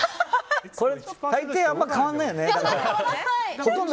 大抵あんまり変わらないよね。